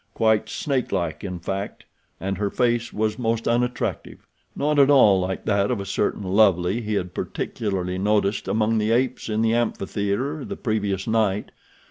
Quite snake like, in fact, and her face was most unattractive. Not at all like that of a certain lovely she he had particularly noticed among the apes in the amphitheater the previous night.